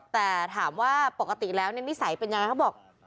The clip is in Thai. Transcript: แต่ถามว่าปกติเนี่ยเรานิสัยเป็นยังไงแล้วก็บอก